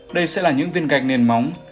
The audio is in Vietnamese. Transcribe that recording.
đây sẽ là những viên gạch nền móng